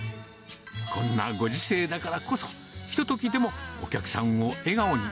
こんなご時世だからこそ、ひとときでもお客さんを笑顔に。